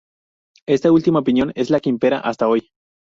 Esta última opinión es la que impera hasta hoy.